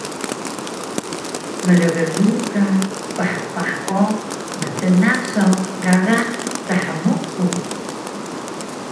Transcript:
Mlglug ka phpah o mtna saw gaga thmuku